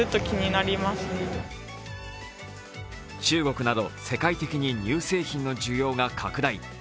中国など世界的に乳製品の需要が拡大。